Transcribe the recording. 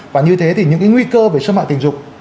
và như thế thì những cái nguy cơ về xâm hại tình dục